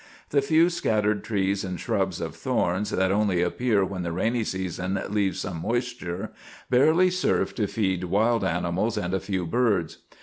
The few scattered trees and shrubs of thorns, that only appear when the rainy season leaves some moisture, barely serve to feed wild animals, and a few birds.